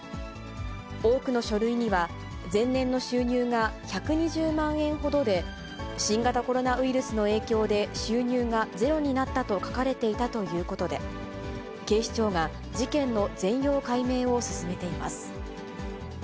多くの書類には、前年の収入が１２０万円ほどで、新型コロナウイルスの影響で収入がゼロになったと書かれていたということで、警視庁が、事件の全容解明を進めています。